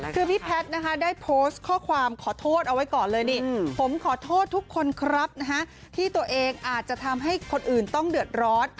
คือพี่แพทย์นะคะได้โพสต์ข้อความขอโทษเอาไว้ก่อนเลยนี่ผมขอโทษทุกคนครับที่ตัวเองอาจจะทำให้คนอื่นต้องเดือดร้อน